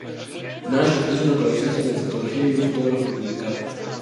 Nash es un coleccionista de fotografía y un fotógrafo publicado.